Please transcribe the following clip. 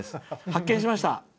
発見しました。